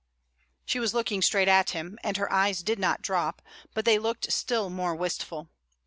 She was looking straight at him, and her eyes did not drop, but they looked still more wistful.